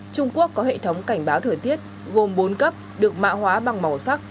trung quốc có hệ thống cảnh báo thời tiết gồm bốn cấp được mạ hóa bằng màu sắc